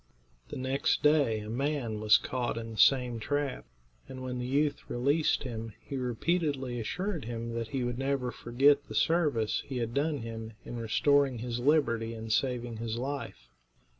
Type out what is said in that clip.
The next day a man was caught in the same trap, and when the youth released him, he repeatedly assured him that he would never forget the service he had done him in restoring his liberty and saving his life.